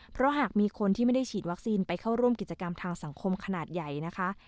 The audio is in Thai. เพราะหากมีคนที่ไม่ได้ฉีดวัคซีนไปเข้าร่วมกิจกรรมทางสังคมขนาดใหญ่นะคะ